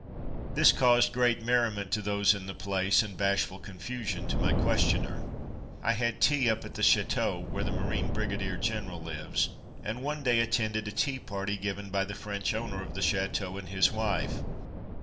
This caused great merriment to those in the Keenness and Efficiency 271 place, and bashful confusion to my ques tioner. I had tea up at the chateau where the Marine Brigadier General lives, and one day attended a tea party given by the French owner of the chateau, and his wife.